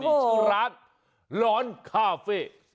คือร้านร้อนคาเฟ่